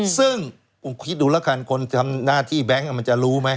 ซึ่งผมคิดดูแล้วกันคนทำหน้าที่แบงค์มันจะรู้ไหม